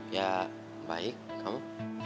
ya baik kamu